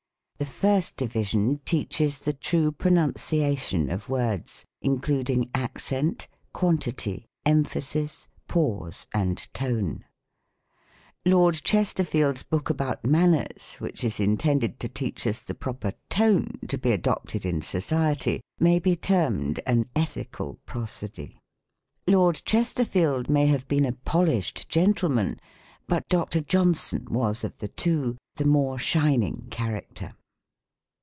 The first division teaches the true Pro nunciation of Words, including Accent, Quantity, Em phasis, Pause, and Tone. Lord Chestei field's book about manners, which is in tended to teach us the proper tone to be adopted in So ciety, may be termed an Ethical Prosody. Lord Chesterfield may have been a polished gentle man, but Dr. Tohnson was of the two the more shining character.